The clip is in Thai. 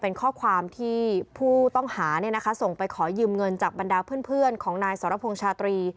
เป็นข้อความที่ผู้ต้องหาส่งไปขอยืมเงินจากบรรดาเพื่อนของนายสรพงษ์ชาตรี